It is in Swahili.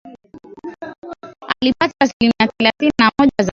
Alipata asilimia thelathini na moja za kura